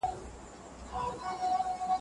پانګوال په بازار کي نوي پانګونه کوي.